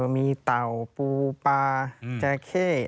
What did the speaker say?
มีเต่าปูปลาแจเข้